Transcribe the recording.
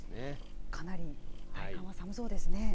かなり体感は寒そうですね。